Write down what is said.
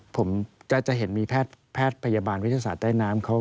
ผมจะเห็นมีแพทย์พยาบาลวิทยาศาสตร์ใต้น้ำเขา